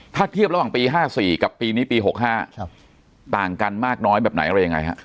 ถ้าเทียบระหว่างปี๕๔กับปีนี้ปี๖๕ต่างกันมากน้อยแบบไหนอะไรยังไงฮะ